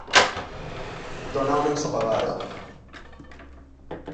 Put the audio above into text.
Donar una ensopegada.